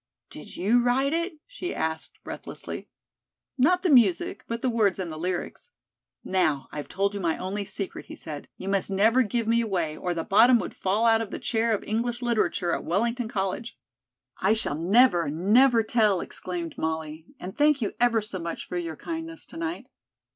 "Did you write it?" she asked breathlessly. "Not the music, but the words and the lyrics. Now, I've told you my only secret," he said. "You must never give me away, or the bottom would fall out of the chair of English literature at Wellington College." "I shall never, never tell," exclaimed Molly; "and thank you ever so much for your kindness to night."